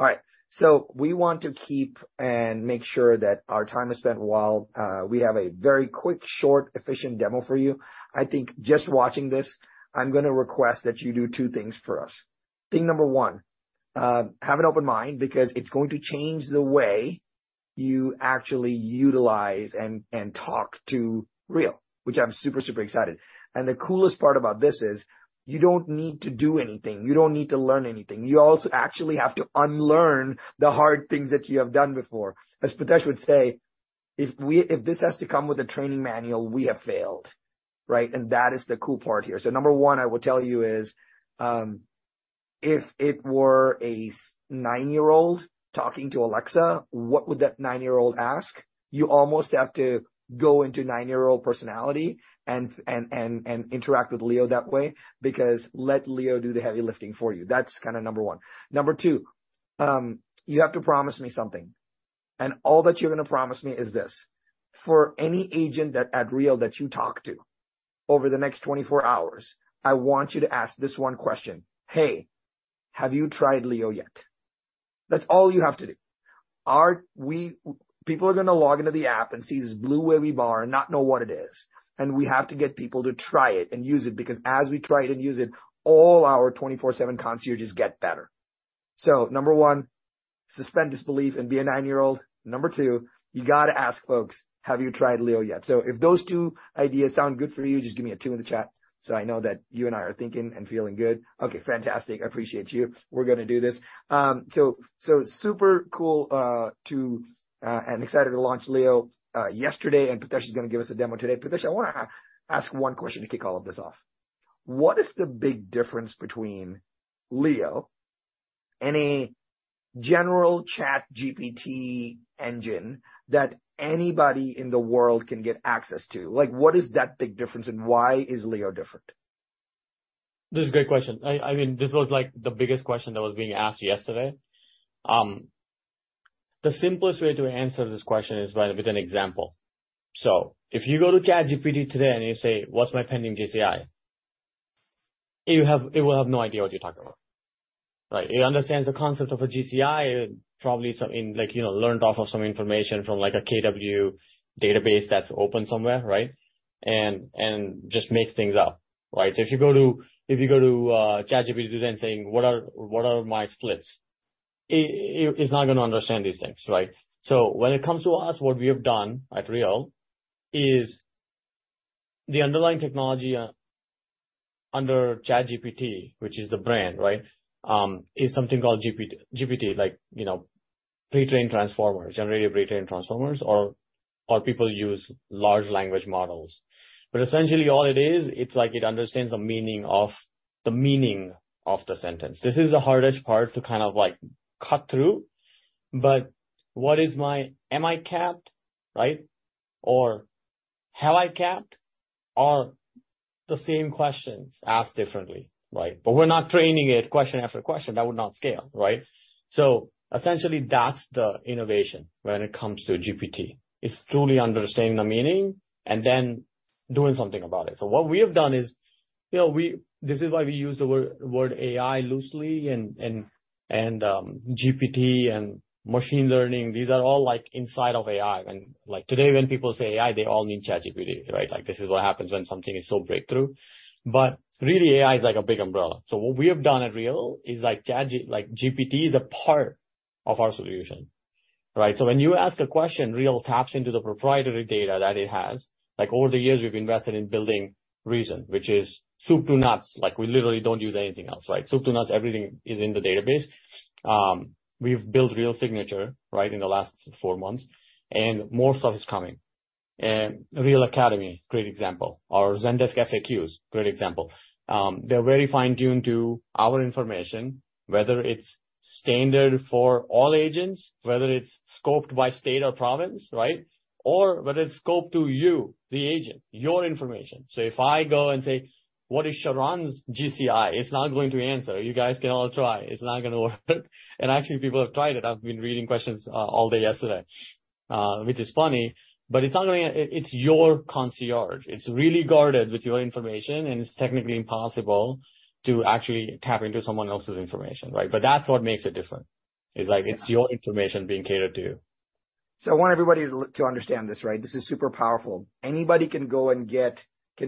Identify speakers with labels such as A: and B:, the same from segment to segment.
A: All right. We want to keep and make sure that our time is spent well. We have a very quick, short, efficient demo for you. I think just watching this, I'm going to request that you do two things for us. Thing number one, have an open mind because it's going to change the way you actually utilize and, and talk to Real, which I'm super, super excited. The coolest part about this is, you don't need to do anything. You don't need to learn anything. You also actually have to unlearn the hard things that you have done before. As Pritesh would say, "If this has to come with a training manual, we have failed." Right? That is the cool part here. Number one, I will tell you is, if it were a nine-year-old talking to Alexa, what would that nine-year-old ask? You almost have to go into nine-year-old personality and, and, and, and interact with Leo that way, because let Leo do the heavy lifting for you. That's kinda number one. Number two, you have to promise me something, and all that you're gonna promise me is this: for any agent at, at Real that you talk to over the next 24 hours, I want you to ask this one question: "Hey, have you tried Leo yet?" That's all you have to do. People are gonna log into the app and see this blue wavy bar and not know what it is, and we have to get people to try it and use it, because as we try it and use it, all our 24/7 concierges get better. Number one, suspend disbelief and be a nine-year-old. Number two, you gotta ask folks, "Have you tried Leo yet?" If those two ideas sound good for you, just give me a two in the chat, so I know that you and I are thinking and feeling good. Okay, fantastic. I appreciate you. We're gonna do this. Super cool to and excited to launch Leo yesterday, and Pritesh is gonna give us a demo today. Pritesh, I wanna ask one question to kick all of this off. What is the big difference between Leo and a general ChatGPT engine that anybody in the world can get access to? Like, what is that big difference, and why is Leo different?
B: This is a great question. I, I mean, this was, like, the biggest question that was being asked yesterday. The simplest way to answer this question is by, with an example. If you go to ChatGPT today, and you say, "What's my pending GCI?" It will have, it will have no idea what you're talking about, right? It understands the concept of a GCI, probably some in, like, you know, learned off of some information from, like, a KW database that's open somewhere, right? And, and just makes things up, right? If you go to, if you go to ChatGPT today and saying, "What are, what are my splits?" It, it, it's not gonna understand these things, right? When it comes to us, what we have done at Real is the underlying technology under ChatGPT, which is the brand, right, is something called GPT, like, you know, pre-trained transformers, generally pre-trained transformers, or, or people use large language models. Essentially, all it is, it's like it understands the meaning of, the meaning of the sentence. This is the hardest part to kind of, like, cut through, Am I capped? Right. Have I capped? Are the same questions asked differently, right? We're not training it question after question. That would not scale, right? Essentially, that's the innovation when it comes to GPT. It's truly understanding the meaning and then doing something about it. What we have done is, you know, we, this is why we use the word AI loosely and GPT and machine learning. These are all, like, inside of AI. When, like, today, when people say AI, they all mean ChatGPT, right? Like, this is what happens when something is so breakthrough. Really, AI is like a big umbrella. What we have done at Real is, like, ChatGPT, like, GPT is a part of our solution, right? When you ask a question, Real taps into the proprietary data that it has. Like, over the years, we've invested in building reZEN, which is soup to nuts. Like, we literally don't use anything else, right? Soup to nuts, everything is in the database. We've built Real Signature, right, in the last four months, and more stuff is coming. Real Academy, great example, or Zendesk FAQs, great example. They're very fine-tuned to our information, whether it's standard for all agents, whether it's scoped by state or province, right? Whether it's scoped to you, the agent, your information. If I go and say, 'What is Sharran's GCI?' It's not going to answer. You guys can all try. It's not gonna work. Actually, people have tried it. I've been reading questions, all day yesterday, which is funny, but it's not gonna, it's your concierge. It's really guarded with your information, and it's technically impossible to actually tap into someone else's information, right? That's what makes it different. It's like, it's your information being catered to you.
A: I want everybody to, to understand this, right? This is super powerful. Anybody can go and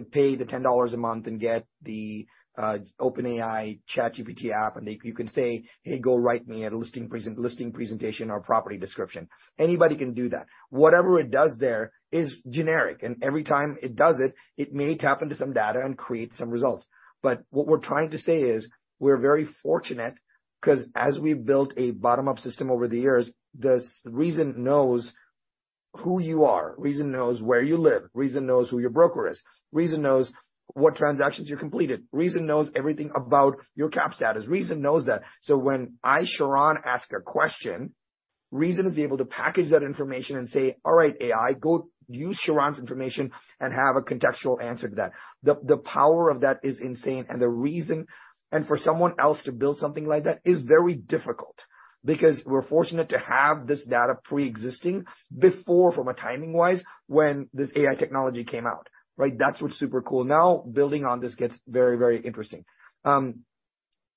A: pay the $10 a month and get the OpenAI ChatGPT app, you can say, "Hey, go write me a listing presentation or property description." Anybody can do that. Whatever it does there is generic, and every time it does it, it may tap into some data and create some results. What we're trying to say is, we're very fortunate 'cause as we've built a bottom-up system over the years, the reZEN knows who you are, reZEN knows where you live, reZEN knows who your broker is, reZEN knows what transactions you completed, reZEN knows everything about your cap status. reZEN knows that. When I, Sharran, ask a question, reZEN is able to package that information and say, "All right, AI, go use Sharran's information," and have a contextual answer to that. The, the power of that is insane, and the reason. For someone else to build something like that is very difficult because we're fortunate to have this data pre-existing before, from a timing-wise, when this AI technology came out, right? That's what's super cool. Building on this gets very, very interesting.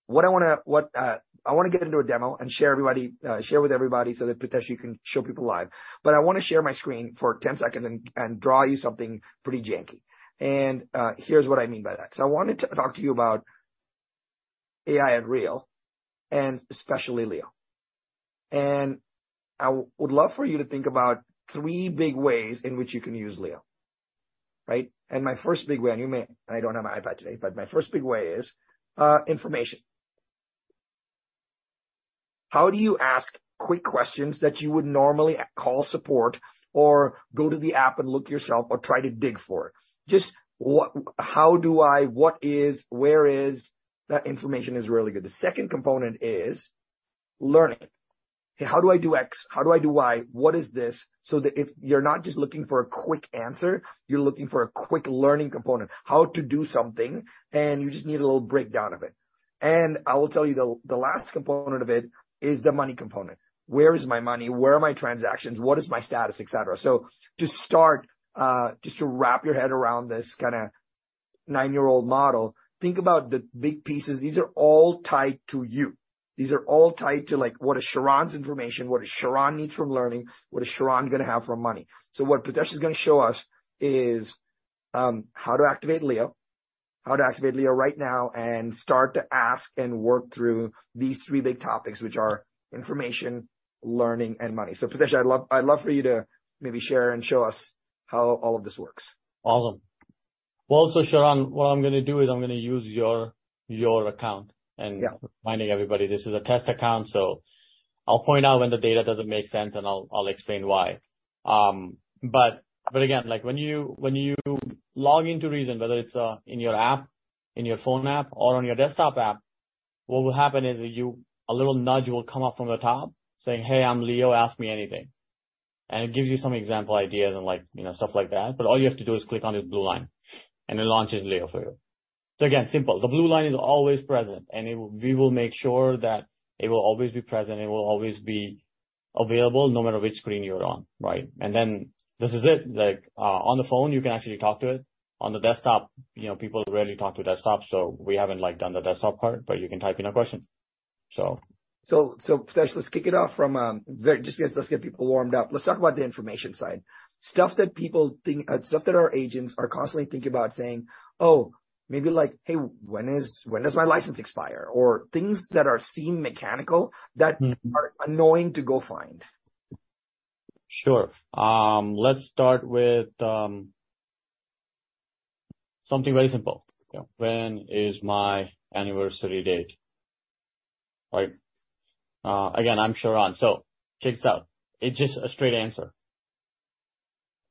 A: What I wanna, what I wanna get into a demo and share everybody, share with everybody so that Pritesh you can show people live. I want to share my screen for 10 seconds and draw you something pretty janky, and here's what I mean by that. I wanted to talk to you about AI at Real, and especially Leo. I would love for you to think about three big ways in which you can use Leo, right? My first big way, and you may, I don't have my iPad today, but my first big way is information. How do you ask quick questions that you would normally call support or go to the app and look yourself or try to dig for it? Just how do I, what is, where is, that information is really good. The second component is learning. How do I do X? How do I do Y? What is this? So that if you're not just looking for a quick answer, you're looking for a quick learning component, how to do something, and you just need a little breakdown of it. I will tell you, the, the last component of it is the money component. Where is my money? Where are my transactions? What is my status, et cetera. To start, just to wrap your head around this kind of nine-year-old model, think about the big pieces. These are all tied to you. These are all tied to, like, what is Sharran's information? What does Sharran need from learning? What is Sharran going to have for money? What Pritesh is going to show us is, how to activate Leo, how to activate Leo right now, and start to ask and work through these three big topics, which are information, learning, and money. Pritesh, I'd love, I'd love for you to maybe share and show us how all of this works.
B: Awesome. Well, Sharran, what I'm going to do is I'm going to use your, your account.
A: Yeah.
B: Reminding everybody, this is a test account, so I'll point out when the data doesn't make sense, and I'll, I'll explain why. Again, like, when you, when you log into reZEN, whether it's in your app, in your phone app or on your desktop app, what will happen is a little nudge will come up from the top saying, "Hey, I'm Leo, ask me anything." It gives you some example ideas and like, you know, stuff like that, but all you have to do is click on this blue line, and it launches Leo for you. Again, simple. The blue line is always present, and we will make sure that it will always be present, it will always be available no matter which screen you're on, right? This is it. Like, on the phone, you can actually talk to it. On the desktop, you know, people rarely talk to desktops, so we haven't, like, done the desktop part, but you can type in a question, so.
A: Pritesh, let's kick it off from, just let's, let's get people warmed up. Let's talk about the information side. Stuff that people think, stuff that our agents are constantly thinking about saying, "Oh, maybe like, hey, when is, when does my license expire?" Things that are seem mechanical that-
B: Mm-hmm....
A: are annoying to go find.
B: Sure. Let's start with something very simple.
A: Yeah.
B: When is my anniversary date? Right. Again, I'm Sharran, check this out. It's just a straight answer,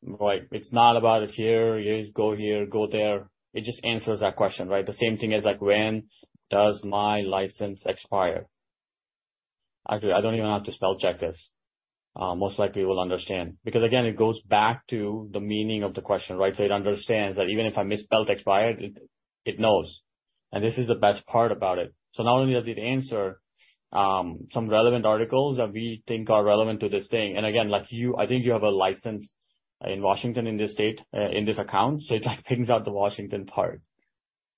B: right? It's not about if here, you go here, go there. It just answers that question, right? The same thing as, like, when does my license expire? Actually, I don't even have to spell check this. Most likely, we'll understand. Again, it goes back to the meaning of the question, right? It understands that even if I misspelled expired, it, it knows, and this is the best part about it. Not only does it answer some relevant articles that we think are relevant to this thing, and again, like you, I think you have a license in Washington, in this state, in this account, so it, like, picks out the Washington part,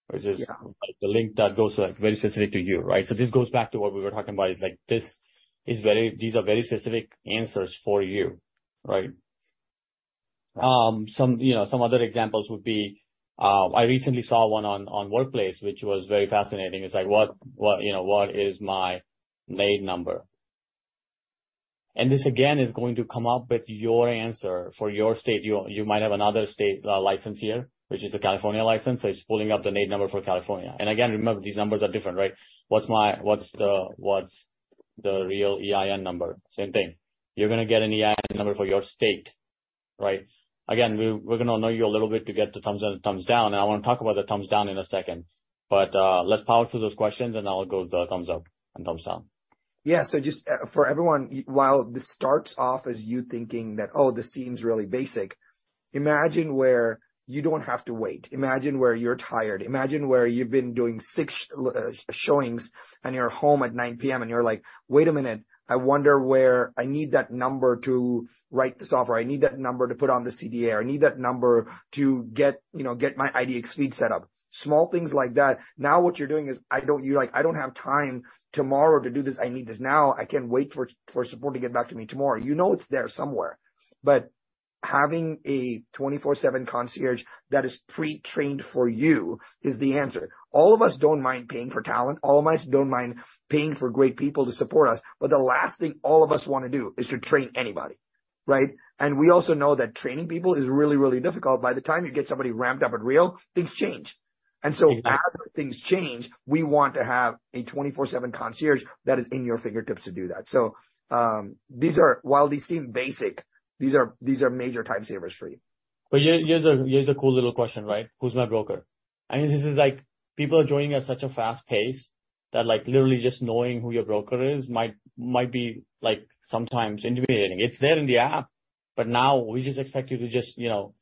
B: which is-
A: Yeah
B: The link that goes, like, very specific to you, right? This goes back to what we were talking about, is like, These are very specific answers for you, right? Some, you know, some other examples would be, I recently saw one on, on Workplace, which was very fascinating. It's like, what, you know, what is my NAID number? This, again, is going to come up with your answer for your state. You might have another state, license here, which is a California license, so it's pulling up the NAID number for California. Again, remember, these numbers are different, right? What's the Real EIN number? Same thing. You're going to get an EIN number for your state, right? We're, we're going to know you a little bit to get the thumbs up and thumbs down, and I want to talk about the thumbs down in a second. Let's power through those questions, and I'll go the thumbs up and thumbs down.
A: Yeah. Just, for everyone, while this starts off as you thinking that, oh, this seems really basic, imagine where you don't have to wait. Imagine where you're tired. Imagine where you've been doing six showings, and you're home at 9:00 P.M., and you're like, "Wait a minute, I wonder where I need that number to write this offer. I need that number to put on the CDA. I need that number to get, you know, get my IDX feed set up." Small things like that. Now, what you're doing is, you're like, "I don't have time tomorrow to do this. I need this now. I can wait for, for support to get back to me tomorrow." You know it's there somewhere, but having a 24/7 concierge that is pre-trained for you is the answer. All of us don't mind paying for talent. All of us don't mind paying for great people to support us, but the last thing all of us want to do is to train anybody, right? We also know that training people is really, really difficult. By the time you get somebody ramped up at Real, things change.
B: Mm-hmm.
A: As things change, we want to have a 24/7 concierge that is in your fingertips to do that. These are, while these seem basic, these are, these are major time savers for you.
B: Here, here's a, here's a cool little question, right? Who's my broker? I mean, this is like, people are joining at such a fast pace that, like, literally just knowing who your broker is might, might be, like, sometimes intimidating. It's there in the app, but now we just expect you to just, you know,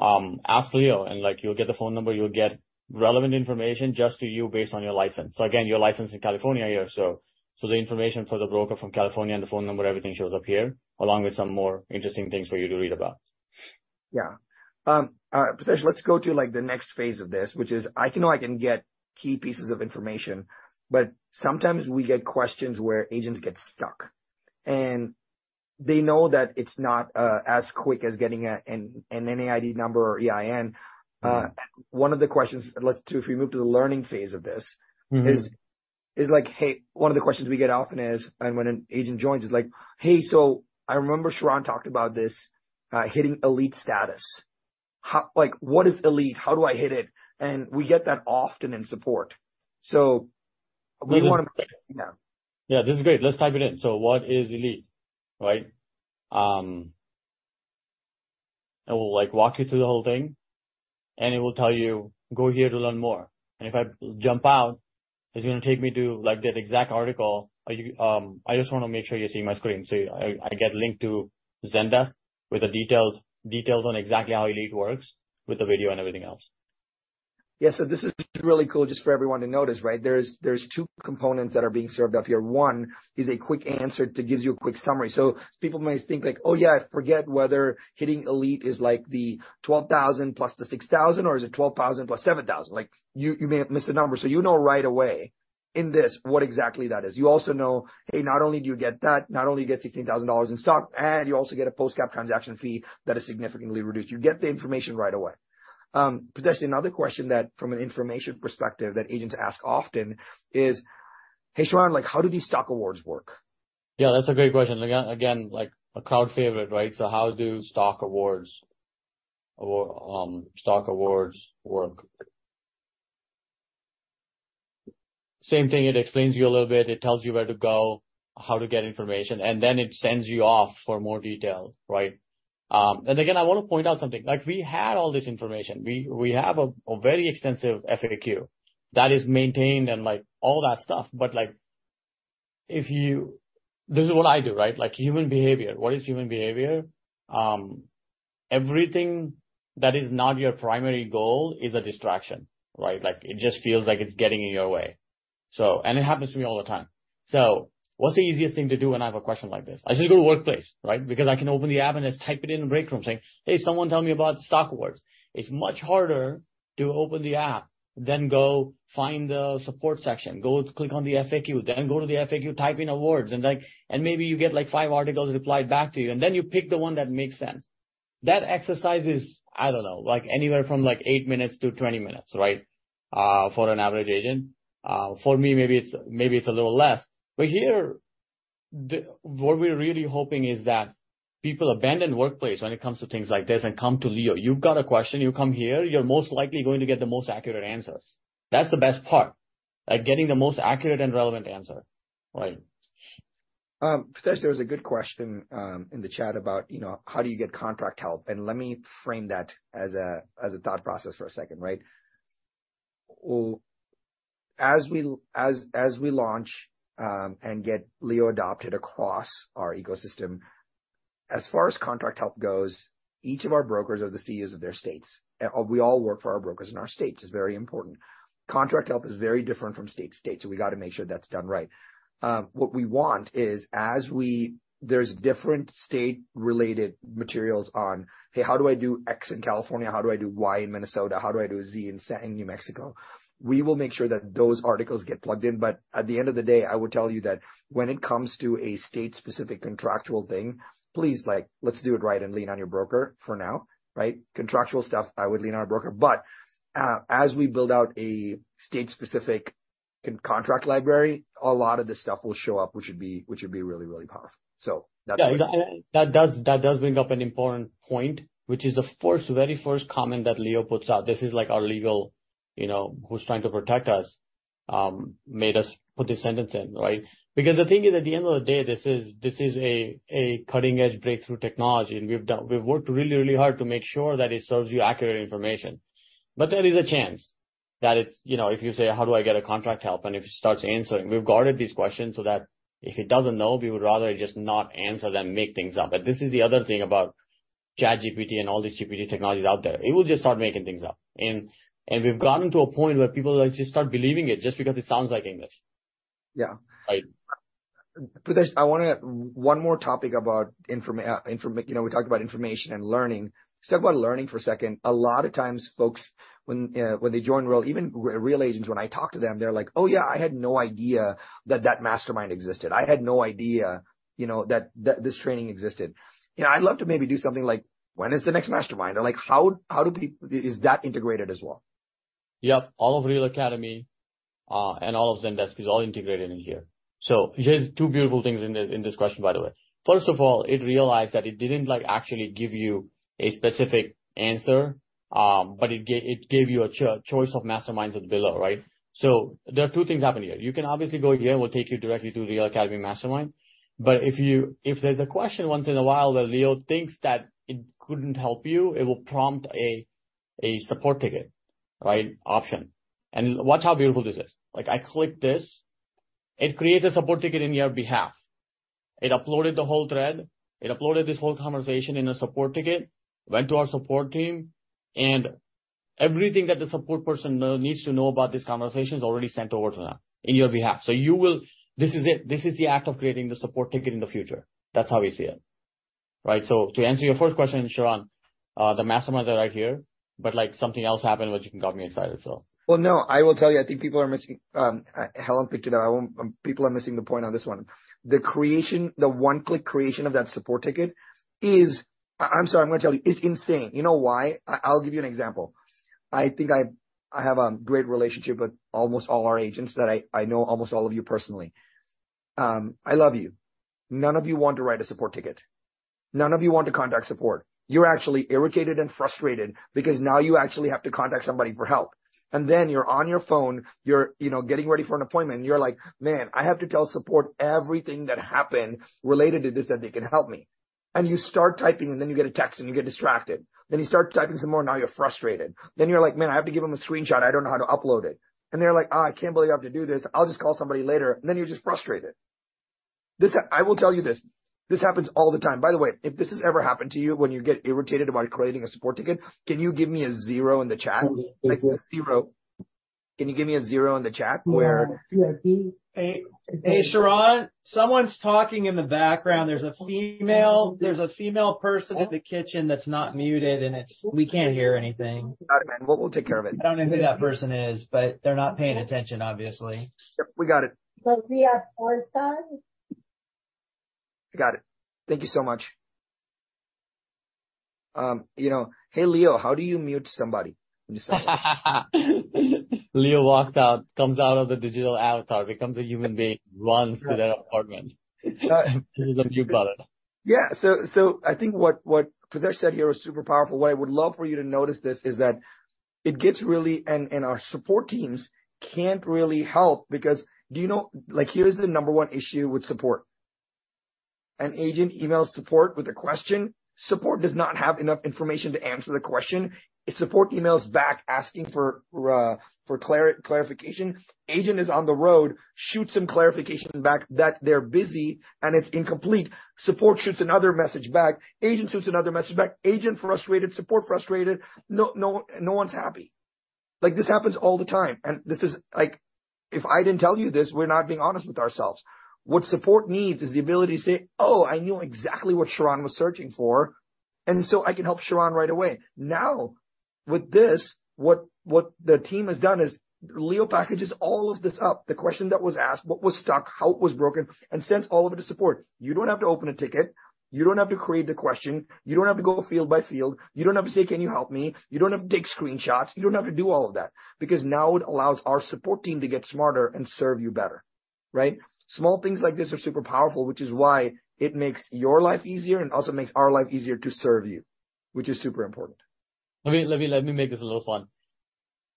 B: ask Leo, and, like, you'll get the phone number, you'll get relevant information just to you based on your license. Again, your license in California here, so, so the information for the broker from California and the phone number, everything shows up here, along with some more interesting things for you to read about.
A: Yeah. Pritesh, let's go to, like, the next phase of this, which is, I know I can get key pieces of information, but sometimes we get questions where agents get stuck, and they know that it's not as quick as getting a NAID number or EIN. One of the questions, let's do, if we move to the learning phase of this-
B: Mm-hmm....
A: is, is like, hey, one of the questions we get often is, and when an agent joins, is like, "Hey, so I remember Sharran talked about this, hitting Elite status. Like, what is Elite? How do I hit it?" We get that often in support. We wanna know.
B: Yeah, this is great. Let's type it in. What is Elite, right? It will, like, walk you through the whole thing, and it will tell you, "Go here to learn more." If I jump out, it's gonna take me to, like, that exact article. Are you, I just wanna make sure you're seeing my screen? I, I get linked to Zendesk with the details, details on exactly how Elite works with the video and everything else.
A: This is really cool just for everyone to notice, right? There's, there's two components that are being served up here. One is a quick answer that gives you a quick summary. People may think like, "Oh, yeah, I forget whether hitting Elite is, like, the 12,000 + the 6,000, or is it 12,000 + 7,000?" Like, you, you may have missed the number. You know right away in this what exactly that is. You also know, hey, not only do you get that, not only do you get $16,000 in stock, and you also get a post-cap transaction fee that is significantly reduced. You get the information right away. Pritesh, another question that, from an information perspective, that agents ask often is, "Hey, Sharran, like, how do these stock awards work?"
B: Yeah, that's a great question. Again, again, like, a crowd favorite, right? How do stock awards or stock awards work? Same thing, it explains to you a little bit. It tells you where to go, how to get information, and then it sends you off for more detail, right? Again, I want to point out something. Like, we had all this information. We, we have a, a very extensive FAQ that is maintained and, like, all that stuff, but, like, if you, this is what I do, right? Like, human behavior. What is human behavior? Everything that is not your primary goal is a distraction, right? Like, it just feels like it's getting in your way. It happens to me all the time. What's the easiest thing to do when I have a question like this? I just go to Workplace, right? Because I can open the app and just type it in the break room, saying, "Hey, someone tell me about stock awards." It's much harder to open the app, then go find the support section, go click on the FAQ, then go to the FAQ, type in awards, and, like, and maybe you get, like, five articles replied back to you, and then you pick the one that makes sense. That exercise is, I don't know, like, anywhere from, like, eight minutes to 20 minutes, right, for an average agent. For me, maybe it's, maybe it's a little less. Here, what we're really hoping is that people abandon Workplace when it comes to things like this and come to Leo. You've got a question, you come here, you're most likely going to get the most accurate answers. That's the best part, like, getting the most accurate and relevant answer, right?
A: Pritesh, there was a good question in the chat about, you know, how do you get contract help? Let me frame that as a, as a thought process for a second, right? As we, as we launch, and get Leo adopted across our ecosystem, as far as contract help goes, each of our brokers are the CEOs of their states. We all work for our brokers in our states. It's very important. Contract help is very different from state to state, we got to make sure that's done right. What we want is, as we, there's different state-related materials on, Hey, how do I do X in California? How do I do Y in Minnesota? How do I do Z in New Mexico? We will make sure that those articles get plugged in, but at the end of the day, I would tell you that when it comes to a state-specific contractual thing, please, like, let's do it right and lean on your broker for now, right? Contractual stuff, I would lean on a broker, but, as we build out a state-specific contract library, a lot of this stuff will show up, which would be, which would be really, really powerful. That's.
B: Yeah, that does, that does bring up an important point, which is the first, very first comment that Leo puts out. This is like our legal, you know, who's trying to protect us, made us put this sentence in, right? The thing is, at the end of the day, this is, this is a, a cutting-edge breakthrough technology, and we've worked really, really hard to make sure that it serves you accurate information. There is a chance that it's You know, if you say, "How do I get a contract help?" And if it starts answering, we've guarded these questions so that if it doesn't know, we would rather it just not answer than make things up. This is the other thing about ChatGPT and all these GPT technologies out there. It will just start making things up, and we've gotten to a point where people will just start believing it just because it sounds like English.
A: Yeah.
B: Right.
A: Pritesh, I wanna one more topic about you know, we talked about information and learning. Let's talk about learning for a second. A lot of times, folks, when they join Real, even Real agents, when I talk to them, they're like, "Oh, yeah, I had no idea that that mastermind existed. I had no idea, you know, that, that this training existed." You know, I'd love to maybe do something like, "When is the next mastermind?" Or like, how do people, is that integrated as well?
B: Yep, all of Real Academy and all of Zendesk is all integrated in here. Here's two beautiful things in this, in this question, by the way. First of all, it realized that it didn't, like, actually give you a specific answer, but it gave you a choice of Masterminds at below, right? There are two things happening here. You can obviously go here, and we'll take you directly to Real Academy Mastermind. If there's a question once in a while that Leo thinks that it couldn't help you, it will prompt a support ticket, right? Option. Watch how beautiful this is. Like, I click this, it creates a support ticket in your behalf. It uploaded the whole thread, it uploaded this whole conversation in a support ticket, went to our support team. And everything that the support person know, needs to know about this conversation is already sent over to them in your behalf. This is it. This is the act of creating the support ticket in the future. That's how we see it, right? To answer your first question, Sharran, the masterminds are right here, but, like, something else happened, which got me excited, so.
A: Well, no, I will tell you, I think people are missing, Helen picked it up. People are missing the point on this one. The creation, the one-click creation of that support ticket is, I'm sorry, I'm gonna tell you, it's insane. You know why? I, I'll give you an example. I think I, I have a great relationship with almost all our agents that I, I know almost all of you personally. I love you. None of you want to write a support ticket. None of you want to contact support. You're actually irritated and frustrated because now you actually have to contact somebody for help. Then you're on your phone, you're, you know, getting ready for an appointment, and you're like: Man, I have to tell support everything that happened related to this, that they can help me. You start typing, then you get a text, and you get distracted. You start typing some more, now you're frustrated. You're like, 'Man, I have to give them a screenshot. I don't know how to upload it.' They're like, 'I can't believe I have to do this. I'll just call somebody later.' Then you're just frustrated. This. I will tell you this, this happens all the time. By the way, if this has ever happened to you, when you get irritated about creating a support ticket, can you give me a zero in the chat? Like, a zero. Can you give me a zero in the chat where-
C: Hey, Sharran, someone's talking in the background. There's a female, there's a female person in the kitchen that's not muted, and it's, We can't hear anything.
A: All right, man. Well, we'll take care of it.
C: I don't know who that person is. They're not paying attention, obviously.
A: Yep, we got it. Got it. Thank you so much. You know. Hey, Leo, how do you mute somebody? When you sign up?
B: Leo walks out, comes out of the digital avatar, becomes a human being, runs to their apartment. You got it.
A: Yeah. So I think what, what Pritesh said here was super powerful. What I would love for you to notice this is that it gets really, our support teams can't really help because do you know, like, here's the number one issue with support. An agent emails support with a question. Support does not have enough information to answer the question. If support emails back asking for clarification, agent is on the road, shoots some clarification back that they're busy, and it's incomplete. Support shoots another message back, agent shoots another message back. Agent frustrated, support frustrated. No, no, no one's happy. Like, this happens all the time, and this is, like, if I didn't tell you this, we're not being honest with ourselves. What support needs is the ability to say, "Oh, I knew exactly what Sharran was searching for, and so I can help Sharran right away." Now, with this, what the team has done is Leo packages all of this up, the question that was asked, what was stuck, how it was broken, and sends all of it to support. You don't have to open a ticket. You don't have to create the question. You don't have to go field by field. You don't have to say, "Can you help me?" You don't have to take screenshots. You don't have to do all of that, because now it allows our support team to get smarter and serve you better, right? Small things like this are super powerful, which is why it makes your life easier and also makes our life easier to serve you, which is super important.
B: Let me, let me, let me make this a little fun.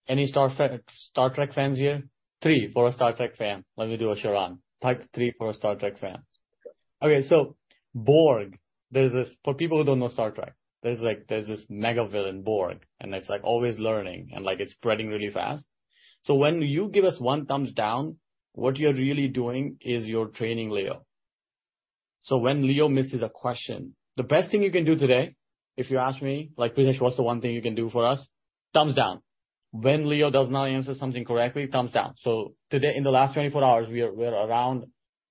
B: Any Star Trek fans here? Three for a Star Trek fan. Let me do a Sharran. Type three for a Star Trek fan. Borg, there's this. For people who don't know Star Trek, there's, like, there's this mega villain, Borg, and it's, like, always learning, and, like, it's spreading really fast. When you give us one thumbs down, what you're really doing is you're training Leo. When Leo misses a question, the best thing you can do today, if you ask me, like, Pritesh, what's the one thing you can do for us? Thumbs down. When Leo does not answer something correctly, thumbs down. Today, in the last 24 hours, we are, we're around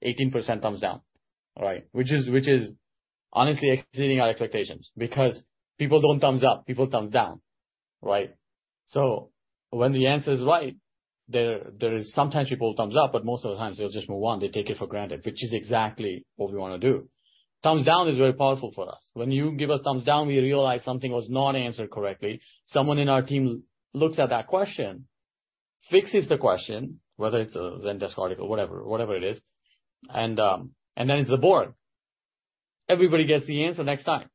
B: 18% thumbs down. All right? Which is, which is honestly exceeding our expectations because people don't thumbs up, people thumbs down, right? When the answer is right, there, there is sometimes people thumbs up, but most of the times they'll just move on. They take it for granted, which is exactly what we wanna do. Thumbs down is very powerful for us. When you give a thumbs down, we realize something was not answered correctly. Someone in our team looks at that question, fixes the question, whether it's a Zendesk article, whatever, whatever it is, and, and then it's the Borg. Everybody gets the answer next time.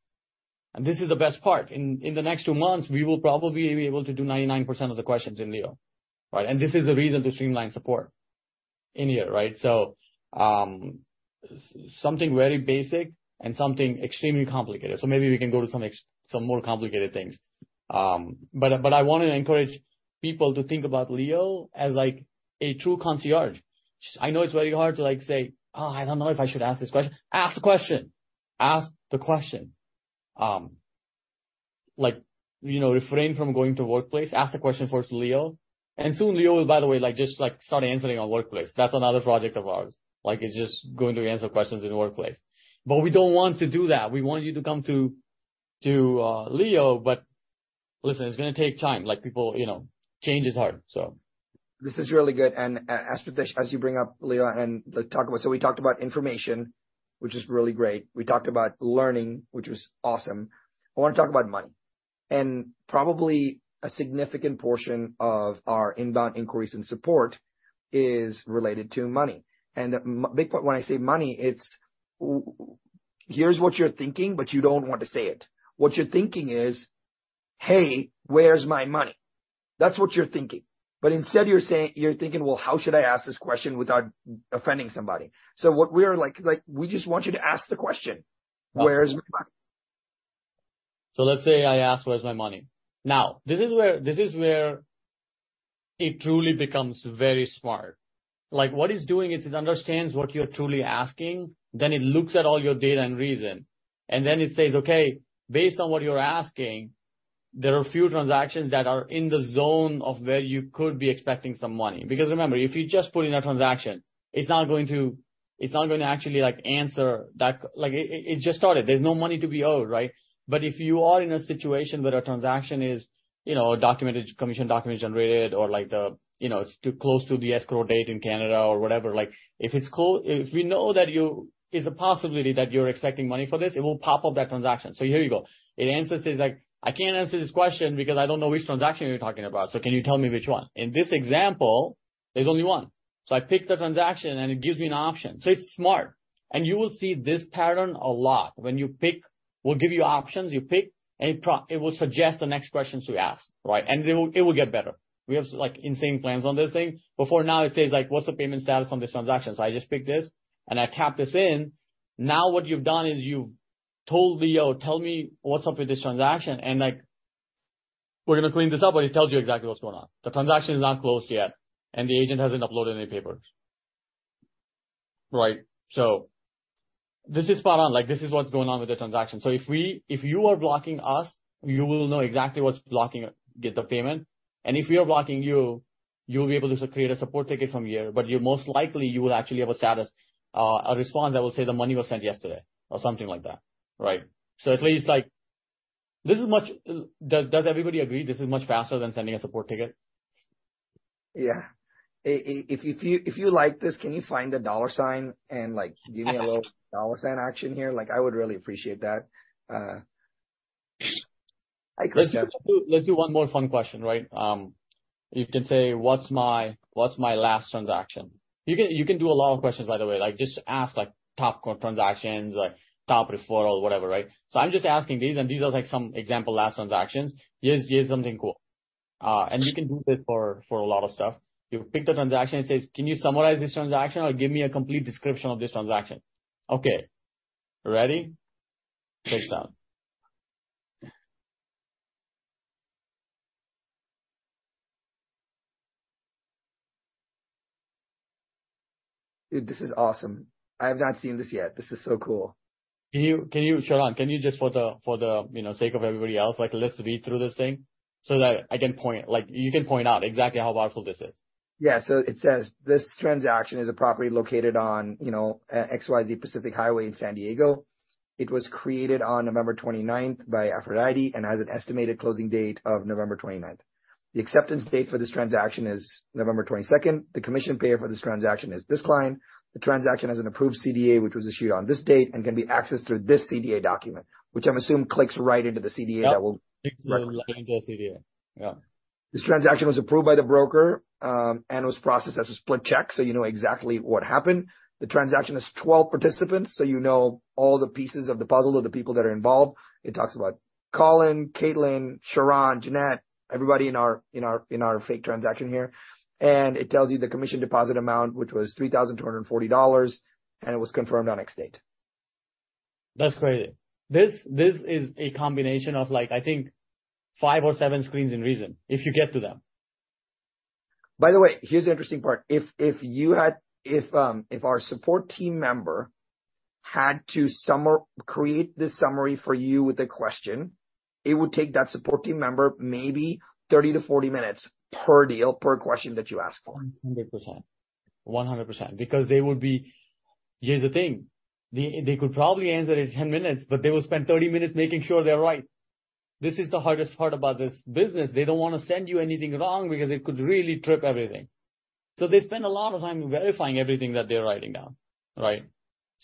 B: This is the best part. In, in the next two months, we will probably be able to do 99% of the questions in Leo, right? This is the reason to streamline support in here, right? Something very basic and something extremely complicated. Maybe we can go to some more complicated things. But I want to encourage people to think about Leo as, like, a true concierge. I know it's very hard to, like, say, "Oh, I don't know if I should ask this question." Ask the question. Ask the question. Like, you know, refrain from going to Workplace. Ask the question first to Leo, and soon Leo will, by the way, like, just, like, start answering on Workplace. That's another project of ours. Like, it's just going to answer questions in the Workplace. We don't want to do that. We want you to come to, to Leo, but listen, it's gonna take time. Like, people, you know, change is hard, so.
A: This is really good. As Pritesh, as you bring up Leo and let's talk about. We talked about information, which is really great. We talked about learning, which was awesome. I wanna talk about money, and probably a significant portion of our inbound inquiries and support is related to money. Big point, when I say money, it's here's what you're thinking, but you don't want to say it. What you're thinking is: Hey, where's my money? That's what you're thinking. Instead, you're saying, you're thinking: Well, how should I ask this question without offending somebody? What we are like, we just want you to ask the question: Where's my money?
B: Let's say I ask, "Where's my money?" Now, this is where it truly becomes very smart. Like, what it's doing is it understands what you're truly asking, then it looks at all your data and reason, and then it says, "Okay, based on what you're asking, there are a few transactions that are in the zone of where you could be expecting some money." Because remember, if you just put in a transaction, it's not going to, it's not gonna actually, like, answer that. Like, it, it just started. There's no money to be owed, right? If you are in a situation where a transaction is, you know, a documented, commission document generated or like the, you know, it's too close to the escrow date in Canada or whatever. If we know that you, it's a possibility that you're expecting money for this, it will pop up that transaction. Here you go. It answers, says, like, "I can't answer this question because I don't know which transaction you're talking about, so can you tell me which one?" In this example, there's only one. I pick the transaction, and it gives me an option. It's smart, and you will see this pattern a lot. When you pick, we'll give you options, you pick, and it will suggest the next questions to ask, right? It will, it will get better. We have, like, insane plans on this thing. For now, it says, like, "What's the payment status on this transaction?" I just pick this, and I tap this in. Now what you've done is you've told Leo, "Tell me what's up with this transaction." Like, we're gonna clean this up, but it tells you exactly what's going on. The transaction is not closed yet, and the agent hasn't uploaded any papers. Right. This is spot on. Like, this is what's going on with the transaction. If you are blocking us, you will know exactly what's blocking it, get the payment. If we are blocking you, you'll be able to create a support ticket from here, but you most likely, you will actually have a status, a response that will say, "The money was sent yesterday," or something like that, right? At least, like, this is much, does everybody agree this is much faster than sending a support ticket?
A: Yeah. If, if you, if you like this, can you find the dollar sign and, like, give me a little dollar sign action here? Like, I would really appreciate that. Hi, Christian.
B: Let's do, let's do one more fun question, right? You can say, "What's my, what's my last transaction?" You can, you can do a lot of questions, by the way. Like, just ask, like, top transactions, like, top referrals, whatever, right? I'm just asking these, and these are, like, some example last transactions. Here's, here's something cool. And you can do this for, for a lot of stuff. You pick the transaction and says, "Can you summarize this transaction or give me a complete description of this transaction?" Okay, ready? Break down.
A: Dude, this is awesome. I have not seen this yet. This is so cool.
B: Can you Sharran, can you just for the, you know, sake of everybody else, like, let's read through this thing so that I can point, like, you can point out exactly how powerful this is.
A: Yeah. So it says, "This transaction is a property located on, you know, XYZ Pacific Highway in San Diego. It was created on November 29th by Aphrodite and has an estimated closing date of November 29th. The acceptance date for this transaction is November 22nd. The commission payer for this transaction is this client. The transaction has an approved CDA, which was issued on this date and can be accessed through this CDA document," which I'm assuming clicks right into the CDA that will-
B: Yep, clicks into the CDA. Yeah.
A: This transaction was approved by the broker, so you know exactly what happened. The transaction has 12 participants, so you know all the pieces of the puzzle of the people that are involved. It talks about Colin, Caitlin, Sharran, Jeanette, everybody in our, in our, in our fake transaction here. It tells you the commission deposit amount, which was $3,240, and it was confirmed on X date.
B: That's crazy. This, this is a combination of like, I think, five or seven screens in reZEN, if you get to them.
A: By the way, here's the interesting part. If, if you had, if, if our support team member had to create this summary for you with a question, it would take that support team member maybe 30 to 40 minutes per deal, per question that you ask for.
B: 100%. 100%, because they would be, here's the thing, they, they could probably answer it in 10 minutes, but they will spend 30 minutes making sure they're right. This is the hardest part about this business. They don't wanna send you anything wrong because it could really trip everything. They spend a lot of time verifying everything that they're writing down, right?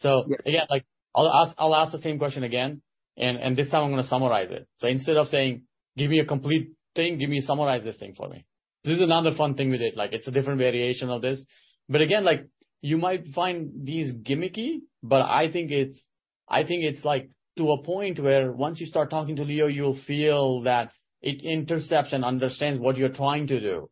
A: Yeah.
B: Again, like, I'll ask, I'll ask the same question again, and this time I'm gonna summarize it. Instead of saying, "Give me a complete thing," give me, "Summarize this thing for me." This is another fun thing with it, like, it's a different variation of this. Again, like, you might find these gimmicky, but I think it's, I think it's like to a point where once you start talking to Leo, you'll feel that it intercepts and understands what you're trying to do,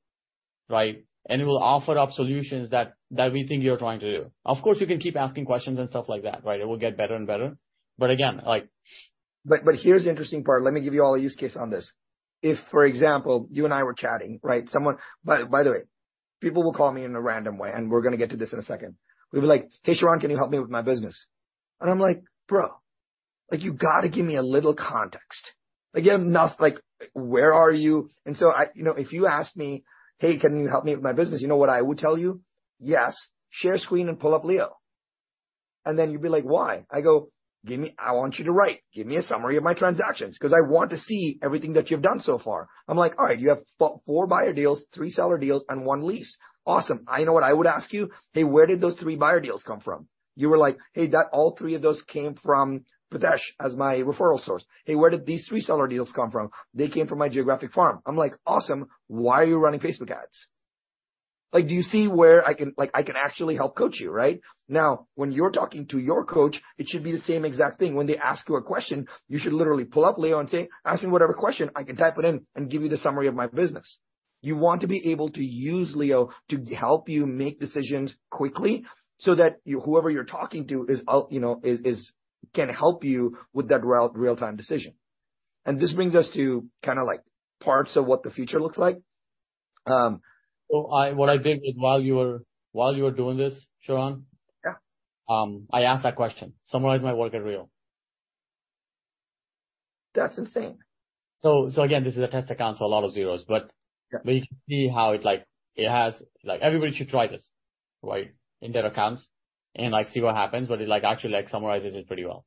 B: right? It will offer up solutions that, that we think you're trying to do. Of course, you can keep asking questions and stuff like that, right? It will get better and better. Again, like.
A: But here's the interesting part. Let me give you all a use case on this. If, for example, you and I were chatting, right, someone. By the way, people will call me in a random way, and we're gonna get to this in a second. We'll be like: "Hey, Sharran, can you help me with my business?" I'm like: "Bro, like, you got to give me a little context. Like, give enough, like, where are you?" So I. You know, if you ask me, "Hey, can you help me with my business?" You know what I would tell you? "Yes, share screen and pull up Leo." Then you'll be like, "Why?" I go: "Give me. I want you to write. Give me a summary of my transactions, 'cause I want to see everything that you've done so far." I'm like: "All right, you have four buyer deals, three seller deals, and one lease. Awesome." I know what I would ask you: "Hey, where did those three buyer deals come from?" You were like: "Hey, that, all three of those came from Pritesh as my referral source." "Hey, where did these three seller deals come from?" "They came from my geographic farm." I'm like, "Awesome. Why are you running Facebook ads? Like, do you see where I can, like, I can actually help coach you, right?" When you're talking to your coach, it should be the same exact thing. When they ask you a question, you should literally pull up Leo and say, "Ask me whatever question, I can type it in and give you the summary of my business." You want to be able to use Leo to help you make decisions quickly so that you, whoever you're talking to is, you know, is, is, can help you with that real, real-time decision. This brings us to kind of like parts of what the future looks like.
B: I, what I did is while you were, while you were doing this, Sharran?
A: Yeah.
B: I asked that question, summarize my work at Real.
A: That's insane.
B: Again, this is a test account, so a lot of zeros, but-
A: Yeah.
B: You can see how it like, it has. Everybody should try this, right, in their accounts and, like, see what happens. It, like, actually, like, summarizes it pretty well.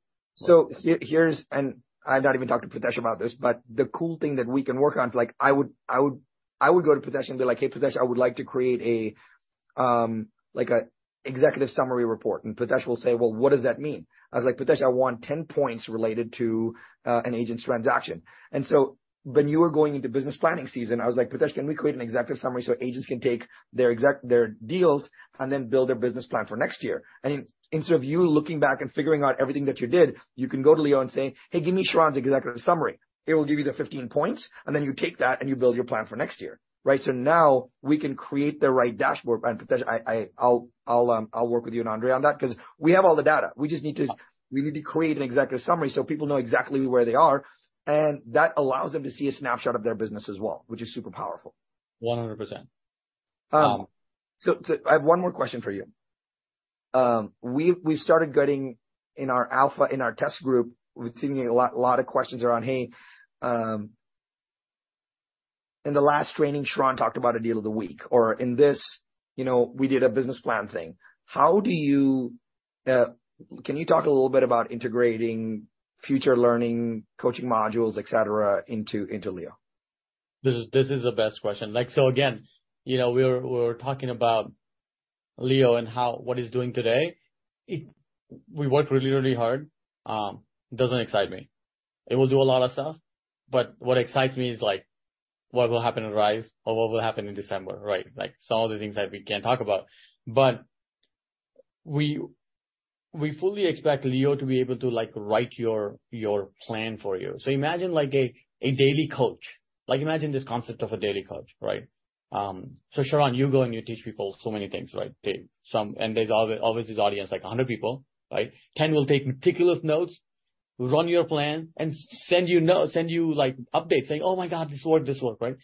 A: Here, and I've not even talked to Pritesh about this, but the cool thing that we can work on is, like, I would, I would, I would go to Pritesh and be like, "Hey, Pritesh, I would like to create a, like, a executive summary report." Pritesh will say, "Well, what does that mean?" I was like, "Pritesh, I want 10 points related to an agent's transaction." When you were going into business planning season, I was like: Pritesh, can we create an executive summary so agents can take their their deals and then build their business plan for next year? Instead of you looking back and figuring out everything that you did, you can go to Leo and say, "Hey, give me Sharran's executive summary." It will give you the 15 points, and then you take that, and you build your plan for next year, right? Now we can create the right dashboard, and Pritesh, I, I'll, I'll, I'll work with you and Andre on that because we have all the data. We just need to-
B: Yeah.
A: We need to create an executive summary so people know exactly where they are, and that allows them to see a snapshot of their business as well, which is super powerful.
B: 100%.
A: I have one more question for you. We've started getting in our alpha, in our test group, we're seeing a lot of questions around, hey, in the last training, Sharran talked about a deal of the week, or in this, you know, we did a business plan thing. Can you talk a little bit about integrating future learning, coaching modules, et cetera, into Leo?
B: This is, this is the best question. Like, again, you know, we're, we're talking about Leo and how, what he's doing today. It, we worked really, really hard. It doesn't excite me. It will do a lot of stuff, but what excites me is, like, what will happen in Rise or what will happen in December, right? Like, some of the things that we can't talk about. We, we fully expect Leo to be able to, like, write your, your plan for you. Imagine, like, a, a daily coach. Like, imagine this concept of a daily coach, right? Sharran, you go and you teach people so many things, right? They, some, and there's always this audience, like 100 people, right? 10 will take meticulous notes, run your plan, and send you notes, send you, like, updates, saying, "Oh, my God, this worked, this worked," right?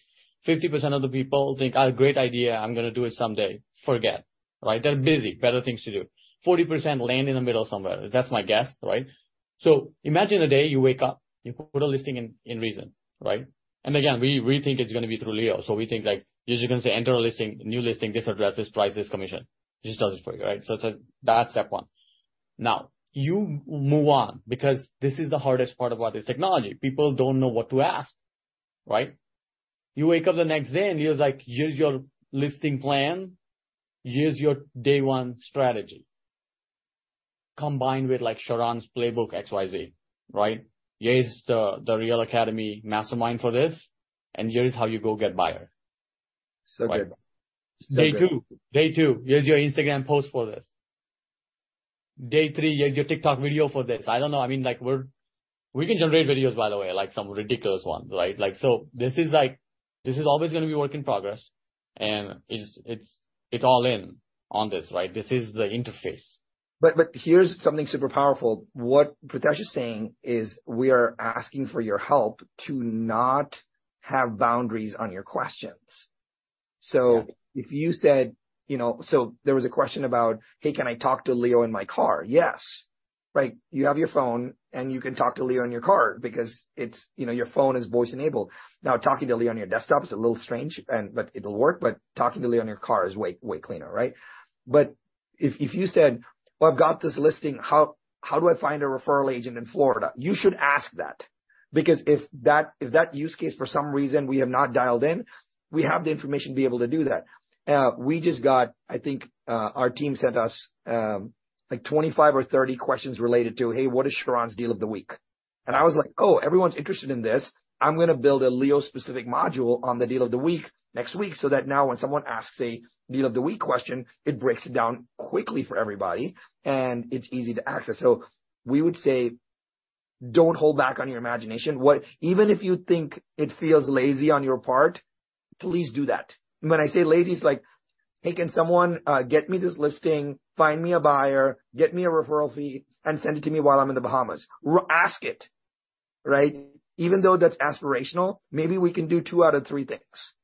B: 50% of the people think, "Ah, great idea. I'm gonna do it someday." Forget, right? They're busy, better things to do. 40% land in the middle somewhere. That's my guess, right? Imagine a day you wake up, you put a listing in, in reZEN, right? Again, we think it's gonna be through Leo. We think, like, you're just gonna say, enter a listing, new listing, this address, this price, this commission. It just does it for you, right? That's step one. Now, you move on because this is the hardest part about this technology. People don't know what to ask, right? You wake up the next day, and he was like, "Here's your listing plan. Here's your day one strategy, combined with, like, Sharran's playbook, XYZ, right? Here's the, the Real Academy Mastermind for this, and here's how you go get buyer.
A: Good.
B: Day two, day two, here's your Instagram post for this. Day three, here's your TikTok video for this. I don't know. I mean, like, we're we can generate videos, by the way, like some ridiculous ones, right? Like, so this is like, this is always gonna be work in progress, and it's, it's, it's all in on this, right? This is the interface.
A: Here's something super powerful. What Pritesh is saying is we are asking for your help to not have boundaries on your questions.
B: Yeah.
A: If you said, you know. There was a question about, "Hey, can I talk to Leo in my car?" Yes. Like, you have your phone, and you can talk to Leo in your car because it's, you know, your phone is voice-enabled. Talking to Leo on your desktop is a little strange, but it'll work, but talking to Leo in your car is way, way cleaner, right? If, if you said, "Well, I've got this listing, how, how do I find a referral agent in Florida?" You should ask that because if that, if that use case, for some reason, we have not dialed in, we have the information to be able to do that. We just got, I think, our team sent us, like, 25 or 30 questions related to, "Hey, what is Sharran's deal of the week?" I was like: "Oh, everyone's interested in this. I'm gonna build a Leo-specific module on the deal of the week next week, so that now when someone asks a deal of the week question, it breaks it down quickly for everybody, and it's easy to access." We would say, don't hold back on your imagination. What, even if you think it feels lazy on your part, please do that. When I say lazy, it's like: Hey, can someone get me this listing, find me a buyer, get me a referral fee, and send it to me while I'm in the Bahamas? Ask it, right? Even though that's aspirational, maybe we can do two out of three things, which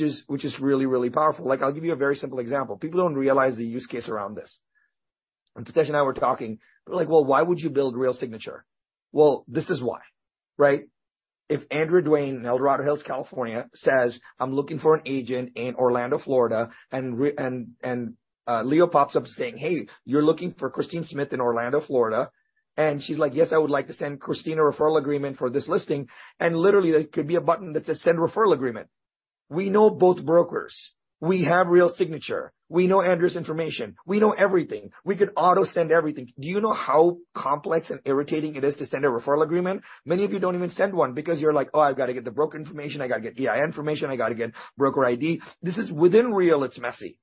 A: is, which is really, really powerful. Like, I'll give you a very simple example. People don't realize the use case around this. When Pritesh and I were talking, we're like, "Well, why would you build Real Signature?" Well, this is why, right? If Andrew Dwayne in El Dorado Hills, California, says, "I'm looking for an agent in Orlando, Florida," Leo pops up saying, "Hey, you're looking for Christine Smith in Orlando, Florida." She's like, "Yes, I would like to send Christine a referral agreement for this listing." Literally, there could be a button that says, "Send referral agreement." We know both brokers. We have Real Signature. We know Andrew's information. We know everything. We could auto-send everything. Do you know how complex and irritating it is to send a referral agreement? Many of you don't even send one because you're like, "Oh, I've got to get the broker information. I got to get EIN information. I got to get broker ID." This is. Within Real, it's messy.